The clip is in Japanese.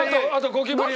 ゴキブリ！